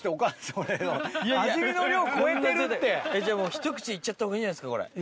ひと口でいっちゃった方がいいんじゃないですかこれ。